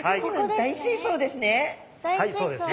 大水槽ですね。